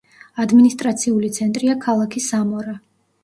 ადმინისტრაციული ცენტრია ქალაქი სამორა.